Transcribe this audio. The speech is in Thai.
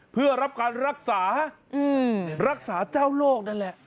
เพื่อรับการรักษารักษาเจ้าโรคนั่นแหละ